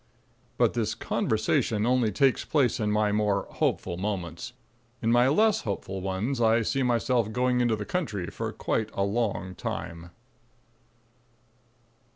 But this conversation only takes place in my more hopeful moments. In my less hopeful ones I see myself going into the country for quite a long time.